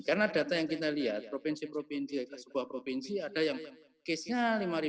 karena data yang kita lihat provinsi provinsi sebuah provinsi ada yang case nya lima lebih